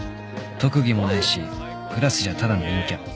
特技もないしクラスじゃただの陰キャ